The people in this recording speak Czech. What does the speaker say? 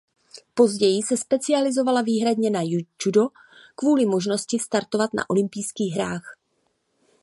Později se specializovala výhradně na judo kvůli možnosti startovat na olympijských hrách.